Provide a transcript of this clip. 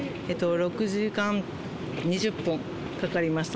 ６時間２０分かかりました。